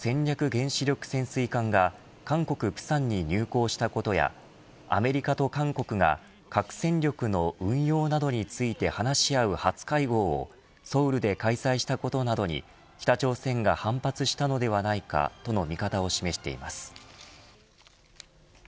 原子力潜水艦が韓国、釜山に入港したことやアメリカと韓国が核戦力の運用などについて話し合う初会合をソウルで開催したことなどに北朝鮮が反発したのではないかとの見方を示しています。